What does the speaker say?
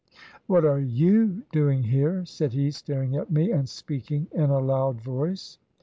" "What are you doing here?" said he, staring at me and speaking in a loud voice.